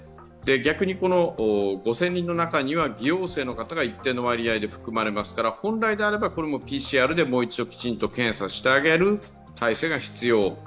逆に、５０００人の中には偽陽性の方が一定の割合で含まれますから、これも本来はＰＣＲできちんと検査してあげる体制が必要。